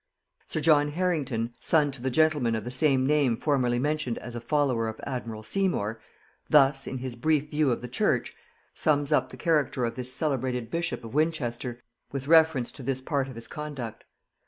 Sir John Harrington, son to the gentleman of the same name formerly mentioned as a follower of admiral Seymour, thus, in his Brief View of the Church, sums up the character of this celebrated bishop of Winchester, with reference to this part of his conduct.